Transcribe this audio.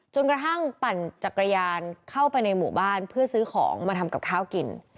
กระทั่งปั่นจักรยานเข้าไปในหมู่บ้านเพื่อซื้อของมาทำกับข้าวกิน